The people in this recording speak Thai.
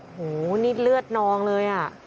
โอ้โฮนี่เลือดน้องเลย